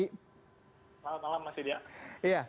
selamat malam mas hidya